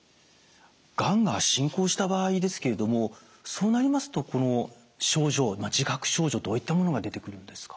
がんが進行した場合ですけれどもそうなりますとこの症状自覚症状どういったものが出てくるんですか？